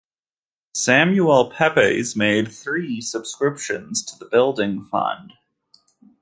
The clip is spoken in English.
Samuel Pepys made three subscriptions to the building fund.